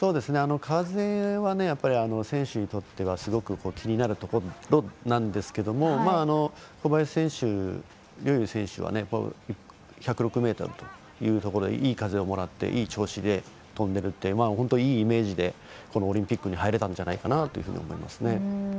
風は選手にとってはすごく気になるところなんですけど小林陵侑選手は１０６ｍというところでいい風をもらっていい調子で飛んでいるって本当、いいイメージでオリンピックに入れたんじゃないかなと思います。